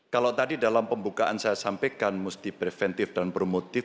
kalau tadi dalam pembukaan saya sampaikan musti preventif dan promotif